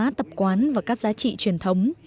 các tập quán và các giá trị truyền thống